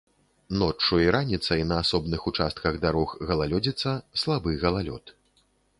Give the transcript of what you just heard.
Ноччу і раніцай на асобных участках дарог галалёдзіца, слабы галалёд.